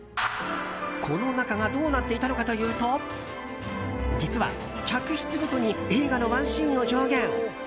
この中がどうなっていたのかというと実は、客室ごとに映画のワンシーンを表現。